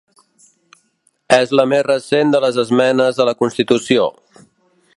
És la més recent de les esmenes a la constitució.